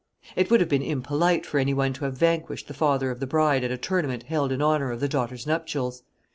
It would have been impolite for any one to have vanquished the father of the bride at a tournament held in honor of the daughter's nuptials.